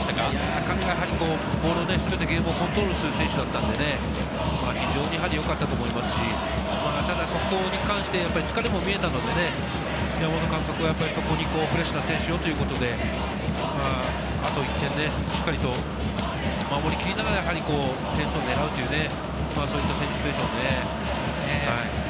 彼がボールを全てゲームをコントロールする選手だったのでね、非常によかったと思いますし、ただ、そこに関して疲れも見えたのでね、山本監督はそこにフレッシュな選手をということで、あと１点しっかりと守りきりながら、点数を狙うというそういった戦術でしょうね。